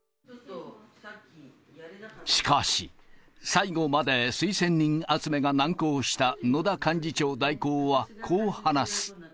しかし、最後まで推薦人集めが難航した野田幹事長代行はこう話す。